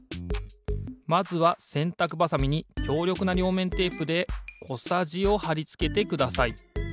まずはせんたくばさみにきょうりょくなりょうめんテープでこさじをはりつけてください。